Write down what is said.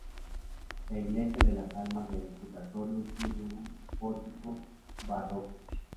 La Iglesia de las Almas del Purgatorio tiene un pórtico barroco.